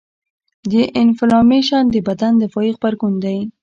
د انفلامیشن د بدن دفاعي غبرګون دی.